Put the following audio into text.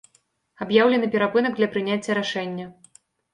Аб'яўлены перапынак для прыняцця рашэння.